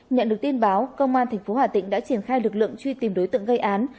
nhận được tin báo công an tp hà tĩnh đã triển khai lực lượng truy tìm đối tượng gây án